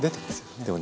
でもね